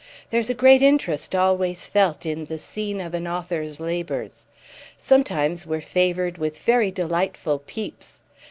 There's a great interest always felt in the scene of an author's labours. Sometimes we're favoured with very delightful peeps.